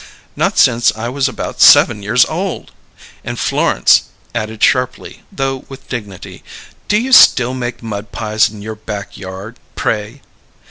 "Not since I was about seven years old!" And Florence added sharply, though with dignity: "Do you still make mud pies in your back yard, pray?"